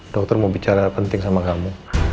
dokter mau bicara penting sama kamu